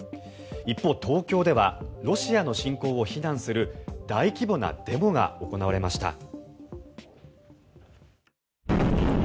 一方、東京ではロシアの侵攻を非難する大規模なデモが行われました。